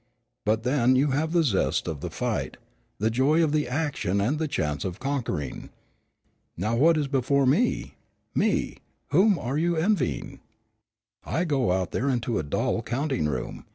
But then, you have the zest of the fight, the joy of the action and the chance of conquering. Now what is before me, me, whom you are envying? I go out of here into a dull counting room.